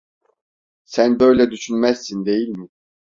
Sen böyle düşünmezsin değil mi?